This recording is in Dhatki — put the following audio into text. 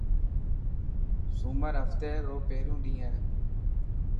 سومر هفتي رو پهريون ڏينهن هي.